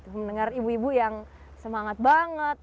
mendengar ibu ibu yang semangat banget